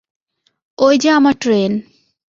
ঐ যে আমার ট্রেন।